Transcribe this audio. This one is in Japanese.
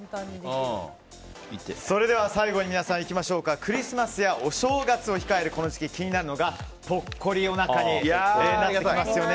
それでは最後にクリスマスやお正月を控えるこの時期に気になるのがぽっこりおなかになってきますよね。